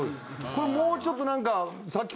これもうちょっとなんか。